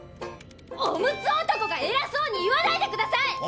オムツ男がえらそうに言わないでください！